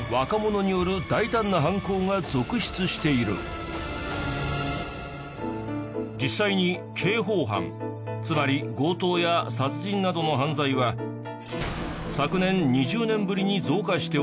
特に実際に刑法犯つまり強盗や殺人などの犯罪は昨年２０年ぶりに増加しており。